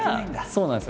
そうなんですよ。